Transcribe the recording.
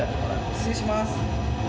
失礼します。